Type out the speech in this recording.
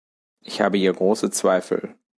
Ich habe hier große Zweifel.